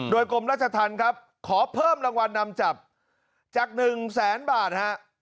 โดยกรมราชธรรมครับขอเพิ่มรางวัลนำจับจาก๑แสนบาทฮะ